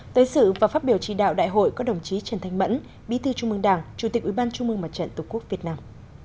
tới sự và phát biểu chỉ đạo đại hội có đồng chí trần thanh mẫn bí thư trung mương đảng chủ tịch ủy ban trung mương mặt trận tổ quốc việt nam